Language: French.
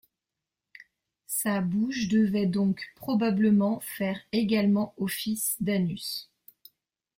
Sa bouche devait donc probablement faire également office d'anus.